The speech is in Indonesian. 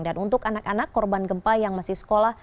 dan untuk anak anak korban gempa yang masih sekolah